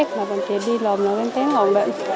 chỉ đi làm là mình thấy ngon